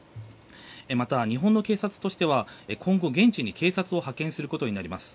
また、日本の警察としては今後、現地に警察を派遣することになります。